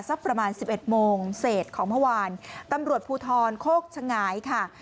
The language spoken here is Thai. สักประมาณสิบเอ็ดโมงเศษของเมื่อวานตำรวจภูทรโคกฉงายค่ะ